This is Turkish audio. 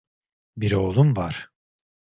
Bir oğlum var.